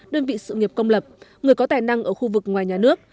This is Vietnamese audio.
đơn vị sự nghiệp công lập người có tài năng ở khu vực ngoài nhà nước